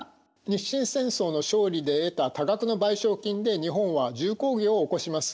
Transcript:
日清戦争の勝利で得た多額の賠償金で日本は重工業を興します。